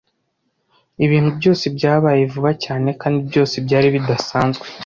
Ibintu byose byabaye vuba cyane kandi byose byari bidasanzwe.